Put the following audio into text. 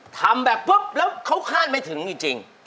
ทำแบบปุ๊บแล้วเขาคาดไม่ถึงจริง